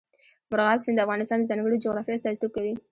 مورغاب سیند د افغانستان د ځانګړي جغرافیه استازیتوب کوي.